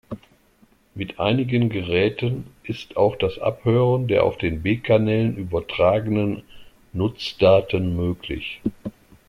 Mit einigen Geräten ist auch das Abhören der auf den B-Kanälen übertragenen Nutzdaten möglich.